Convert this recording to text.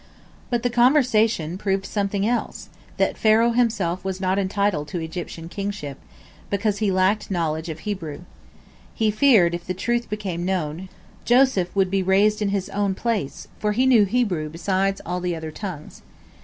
But the conversation proved something else, that Pharaoh himself was not entitled to Egyptian kingship, because he lacked knowledge of Hebrew. He feared, if the truth became known, Joseph would be raised to his own place, for he knew Hebrew beside all the other tongues.